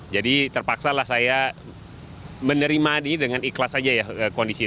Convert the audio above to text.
jadi terpaksalah saya menerima ini dengan ikhlas aja ya kondisi